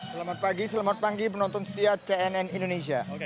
selamat pagi selamat pagi penonton setia cnn indonesia